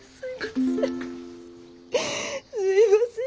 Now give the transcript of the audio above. すいません。